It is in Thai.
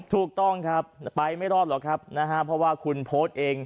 ถูกต้องครับไปไม่รอดหรอกครับนะฮะเพราะว่าคุณโพสต์เอง